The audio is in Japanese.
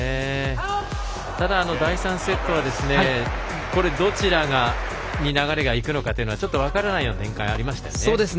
ただ第３セットはどちらに流れがいくのかというのは分からないような展開がありましたので。